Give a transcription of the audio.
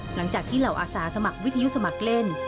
หลังจากที่เหล่าอาสาสมัครวิทยุสมัครเล่น